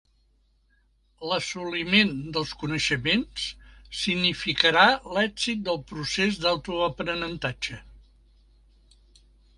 L'assoliment dels coneixements significarà l'èxit del procés de l'autoaprenentatge.